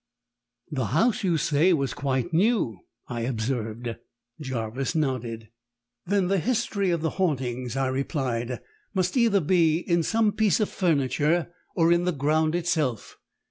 "The house, you say, was quite new," I observed. Jarvis nodded. "Then the history of the hauntings," I replied, "must either be in some piece of furniture or in the ground itself.